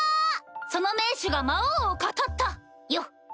その盟主が魔王をかたった！」よ。